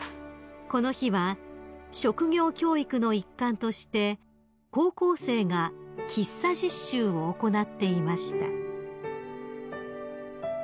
［この日は職業教育の一環として高校生が喫茶実習を行っていました］